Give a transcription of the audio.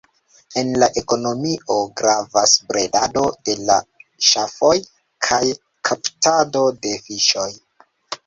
En la ekonomio gravas bredado de ŝafoj kaj kaptado de fiŝoj.